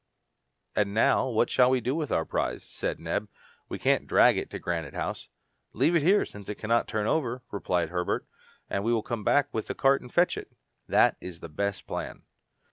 "And now, what shall we do with our prize?" said Neb. "We can't drag it to Granite House!" "Leave it here, since it cannot turn over," replied Herbert, "and we will come back with the cart to fetch it." "That is the best plan."